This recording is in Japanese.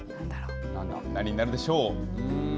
何になるでしょう。